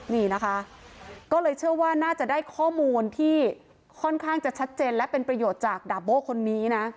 นี่นะคะก็เลยเชื่อว่าน่าจะได้ข้อมูลที่ค่อนข้างจะชัดเจนและเป็นประโยชน์จากดาบโบ้คนนี้นะ